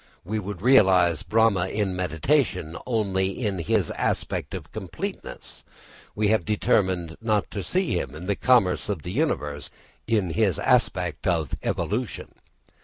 We would realise Brahma in mediation only in his aspect of completeness, we have determined not to see him in the commerce of the universe in his aspect of evolution.